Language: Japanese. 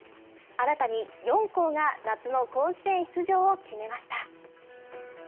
新たに４校が、夏の甲子園出場を決めました。